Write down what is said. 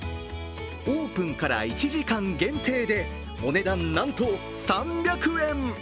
オープンから１時間限定でお値段なんと３００円。